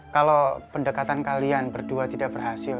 kalau pendekatan kalian berdua tidak berhasil